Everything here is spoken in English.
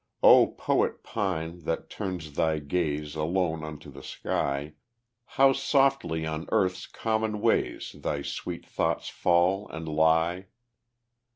O poet pine, that turns thy gaze Alone unto the sky, How softly on earth's common ways Thy sweet thoughts fall and lie!